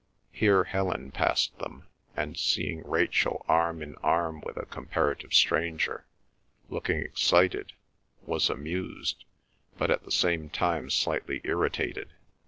Here Helen passed them, and seeing Rachel arm in arm with a comparative stranger, looking excited, was amused, but at the same time slightly irritated.